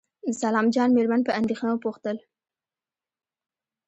د سلام جان مېرمن په اندېښنه وپوښتل.